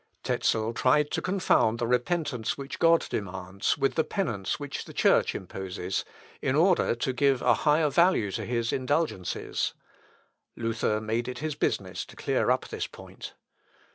Tezel tried to confound the repentance which God demands with the penance which the Church imposes, in order to give a higher value to his indulgences. Luther made it his business to clear up this point.